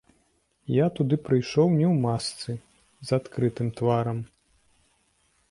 Я туды прыйшоў не ў масцы, з адкрытым тварам.